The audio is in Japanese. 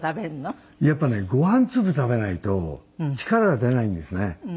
やっぱりねご飯粒食べないと力が出ないんですね。